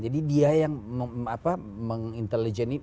jadi dia yang meng intelligent